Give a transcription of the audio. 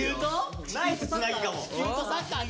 ナイスつなぎかも。